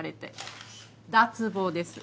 脱帽です。